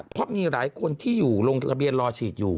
เพราะมีหลายคนที่อยู่ลงทะเบียนรอฉีดอยู่